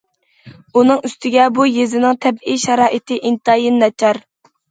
ئۇنىڭ ئۈستىگە، بۇ يېزىنىڭ تەبىئىي شارائىتى ئىنتايىن ناچار.